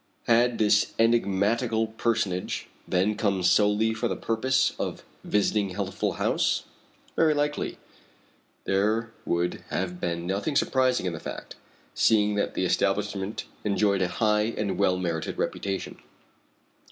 Had this enigmatical personage then come solely for the purpose of visiting Healthful House? Very likely. There would have been nothing surprising in the fact, seeing that the establishment enjoyed a high and well merited reputation.